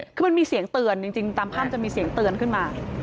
คือมันมีเสียงเตือนจริงตามภาพจะมีเสียงเตือนขึ้นมา